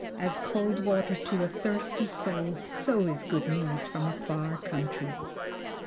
"'As cold water to a thirsty soul, so is good news from a far country.'"